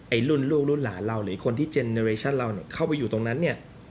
ไอลุ่นลูกลูกหลานเราหรือคนที่เจนเรชั่นเราเข้าไปอยู่ตรงนั้นเนี่ย